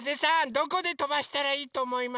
どこでとばしたらいいとおもいますか？